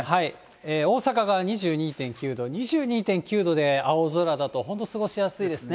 大阪が２２．９度、２２．９度で青空だと、本当に過ごしやすいですね。